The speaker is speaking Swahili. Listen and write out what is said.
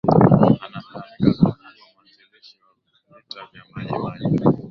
Anafahamika kwa kuwa mwanzilishi wa vita vya Maji Maji